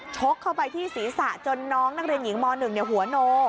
ชกเข้าไปที่ศีรษะจนน้องนักเรียนหญิงม๑หัวโน